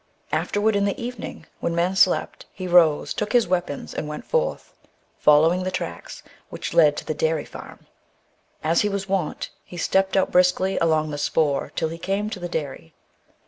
Afterward in the evening, when men slept, he rose, took his weapons, and went forth, following the tracks which led to the dairy farm. As was his wont, he stepped out briskly along the spoor till he came to the dairy.